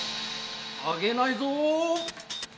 あげないぞ！